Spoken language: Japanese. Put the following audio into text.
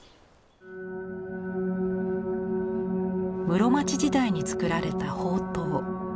室町時代に作られた宝塔。